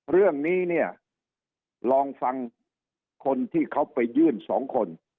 เรื่องนี้เนี่ยลองฟังคนที่เขาไปยื่นสองคน